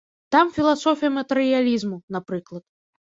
Там філасофія матэрыялізму, напрыклад.